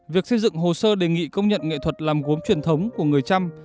việc xây dựng hồ sơ đề nghị công nhận nghệ thuật làm gốm truyền thống của người trăm